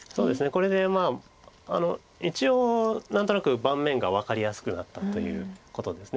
これで一応何となく盤面が分かりやすくなったということです。